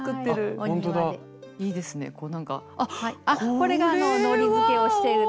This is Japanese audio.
これがのりづけをしているところです。